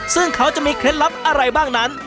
ซึ่งเขาจะมีเคล็ดลับอะไรบ้างนั้น